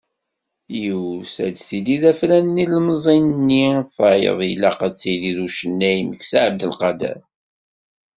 Yiwet ad tili d afran n yilemẓi-nni, tayeḍ ilaq ad tili n ucennay Meksa Ɛabdelqader.